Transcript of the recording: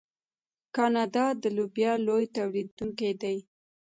کاناډا د لوبیا لوی تولیدونکی دی.